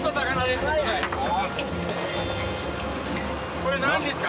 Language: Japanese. これなんですか？